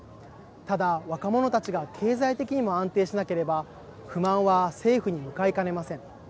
ただ、若者たちが経済的にも安定しなければ不満は政府に向かいかねません。